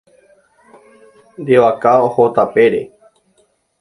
Nde vaka oho tapére.